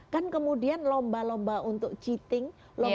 kan kemudian lomba lomba untuk cheating